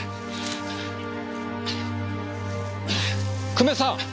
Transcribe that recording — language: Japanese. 久米さん！